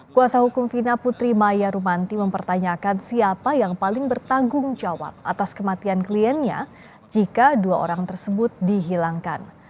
kuasa hukum fina putri maya rumanti mempertanyakan siapa yang paling bertanggung jawab atas kematian kliennya jika dua orang tersebut dihilangkan